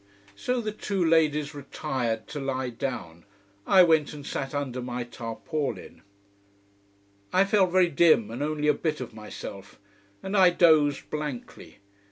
So the two ladies retired to lie down, I went and sat under my tarpaulin. I felt very dim, and only a bit of myself. And I dozed blankly.